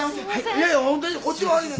いやいや。